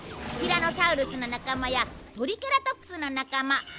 ティラノサウルスの仲間やトリケラトプスの仲間